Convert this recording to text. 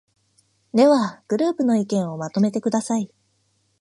では、グループの意見をまとめてください。